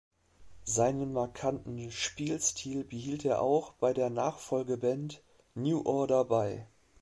Seinen markanten Spielstil behielt er auch bei der Nachfolgeband New Order bei.